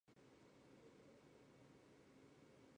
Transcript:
魏素于乾隆四年担任台湾府海防补盗同知。